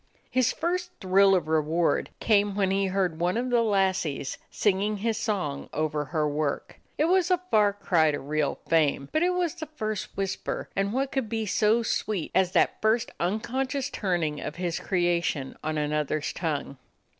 His first thrill of reward came when he heard one of the lassies singing his song over her work. It was a far cry to real fame, but it was the first whisper, and what could be so sweet as that first unconscious turning of his creation on another's tongue?